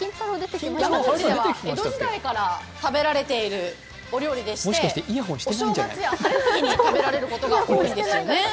山口では江戸時代から食べられているお料理でして、お正月や晴れの日に食べられることが多いんですね。